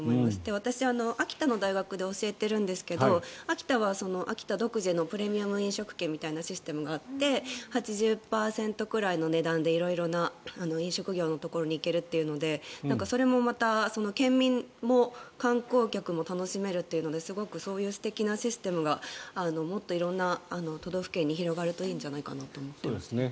私、秋田の大学で教えているんですけど秋田は秋田独自のプレミアム飲食券みたいなシステムがあって８０％くらいの値段で色々な飲食業のところに行けるというのでそれもまた県民も観光客も楽しめるというのですごくそういう素敵なシステムがあるのでもっと色々な都道府県に広がるといいなと思います。